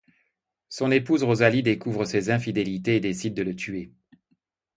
Son épouse Rosalie découvre ses infidélités et décide de le tuer.